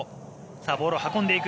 ボールを運んでいく。